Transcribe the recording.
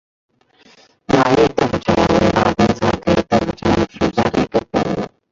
麻叶豆腐柴为马鞭草科豆腐柴属下的一个种。